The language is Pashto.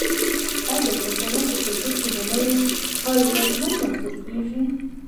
آیا د پښتنو په کلتور کې د نوي کال ورځ نه لمانځل کیږي؟